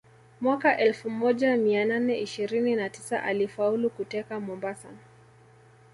Mwaka elfu moja mia nane ishirini na tisa alifaulu kuteka Mombasa